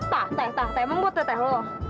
tah teh tah emang buat teh teh lo